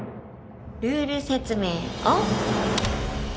ルール説明オン。